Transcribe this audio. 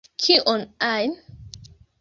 Kion ajn!